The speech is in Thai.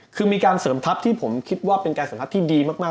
คือมีการเสริมทัพที่ผมคิดว่าเป็นการเสริมทัพที่ดีมาก